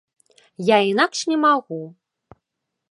Я інакш не магу!